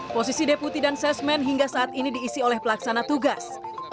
posisi deputi dan sesmen hingga saat ini diisi oleh pelaksana tugas